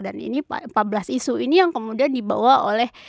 dan ini empat belas isu ini yang kemudian dibawa oleh